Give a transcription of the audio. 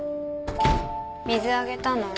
水あげたの？